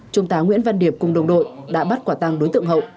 trung tá nguyễn văn điệp cùng đồng đội đã bắt quả tăng đối tượng hậu